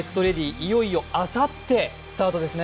いよいよあさってスタートですね。